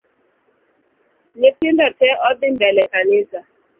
Nyithindo tee odhii mbele kanisa